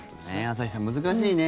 朝日さん、難しいね。